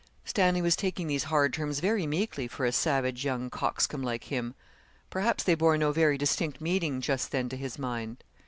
Stanley was taking these hard terms very meekly for a savage young coxcomb like him. Perhaps they bore no very distinct meaning just then to his mind.